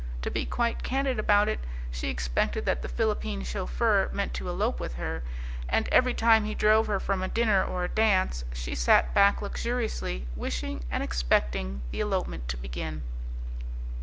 To be quite candid about it, she expected that the Philippine chauffeur meant to elope with her, and every time he drove her from a dinner or a dance she sat back luxuriously, wishing and expecting the elopement to begin.